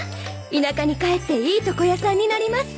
「田舎に帰っていい床屋さんになります！」